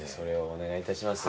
お願いします。